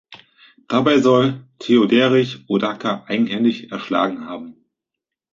Dabei soll Theoderich Odoaker eigenhändig erschlagen haben.